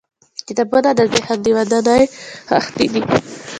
• کتابونه د ذهن د ودانۍ خښتې دي.